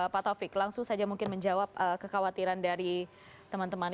pak taufik langsung saja mungkin menjawab kekhawatiran dari teman teman